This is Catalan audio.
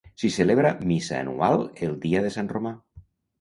S'hi celebra missa anual el dia de Sant Romà.